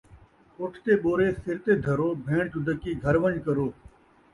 اٹھ تے ٻورے سِر تے دھرو، بھیݨ چدّکی گھر ون٘ڄ کرو